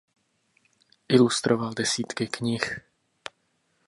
Ilustroval desítky knih.